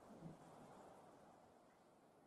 محاکات د هنر او ادب په برخه کې یوه مهمه نظریه ده